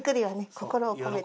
心を込めて。